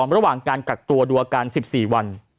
ระหว่างการกักตัวดูอาการ๑๔วัน